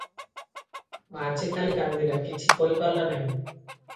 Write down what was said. ମାଝି ଖାଲି କାନ୍ଦିଲା, କିଛି କହି ପାରିଲା ନାହିଁ ।